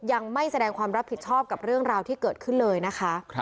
ยังไม่แสดงความรับผิดชอบกับเรื่องราวที่เกิดขึ้นเลยนะคะ